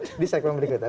itu di segmen berikutnya